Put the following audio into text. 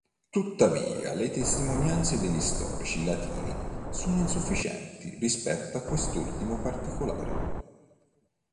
Tuttavia le testimonianze degli storici latini sono insufficienti rispetto a quest'ultimo particolare.